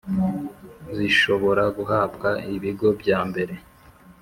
zishobora guhabwa ibigo bya mbere